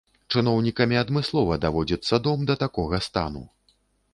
Чыноўнікамі адмыслова даводзіцца дом да такога стану.